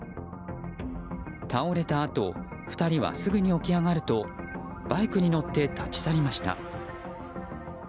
倒れたあと２人はすぐに起き上がるとバイクに乗って立ち去りました。